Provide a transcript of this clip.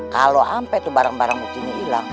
kalau ampe tuh barang barang mutinya hilang